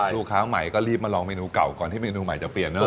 ลูกค้าใหม่ก็รีบมาลองเมนูเก่าก่อนที่เมนูใหม่จะเปลี่ยนเนอ